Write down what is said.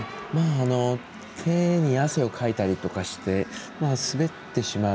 手に汗をかいたりとかして滑ってしまう。